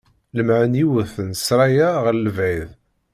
Lemmεen yiwet n ssṛaya ɣer lebεid.